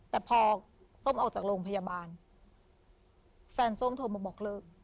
แต่พอส้มออกจากโรงพยาบาลแฟนส้มโทรมาบอกเลิก